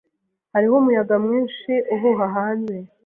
Hariho umuyaga mwinshi uhuha hanze.